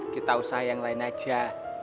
kita usahakan yang lain saja